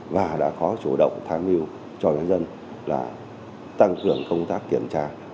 và đã có chủ động tham mưu cho nhân dân là tăng cường công tác kiểm tra